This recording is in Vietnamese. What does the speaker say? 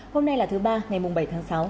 hôm nay là thứ ba ngày bảy tháng sáu